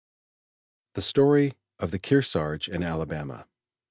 THE STORY OF THE KEARSARGE AND ALABAMA.